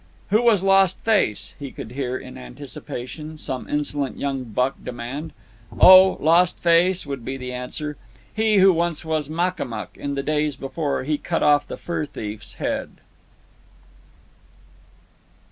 "Who was Lost Face?" he could hear, in anticipation, some insolent young buck demand, "Oh, Lost Face," would be the answer, "he who once was Makamuk in the days before he cut off the fur thief's head."